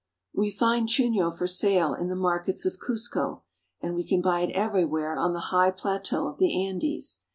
We find chuno for sale in the markets of Cuzco, and we can buy it everywhere on the high plateau of the Andes.